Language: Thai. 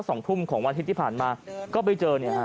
สัก๒ทุ่มของวันที่ที่ผ่านมาก็ไปเจอ